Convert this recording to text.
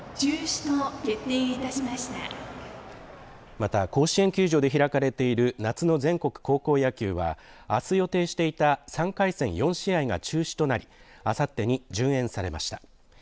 また甲子園球場で開かれている夏の全国高校野球はあす予定していた３回戦４試合が中止となりあさってに順延されました。